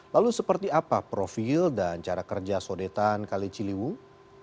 lalu seperti apa profil dan cara kerja sodetan kaliciliwung